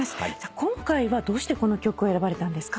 今回はどうしてこの曲を選ばれたんですか？